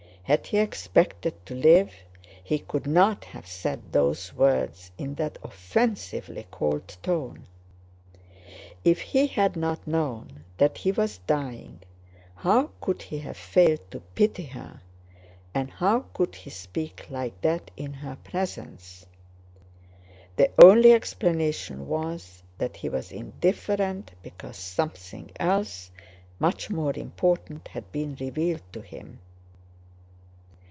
Had he expected to live he could not have said those words in that offensively cold tone. If he had not known that he was dying, how could he have failed to pity her and how could he speak like that in her presence? The only explanation was that he was indifferent, because something else, much more important, had been revealed to him.